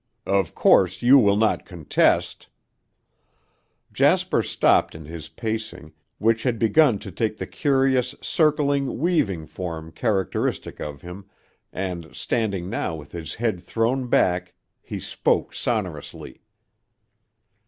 Of course, you will not contest " Jasper stopped in his pacing which had begun to take the curious, circling, weaving form characteristic of him, and, standing now with his head thrown back, he spoke sonorously.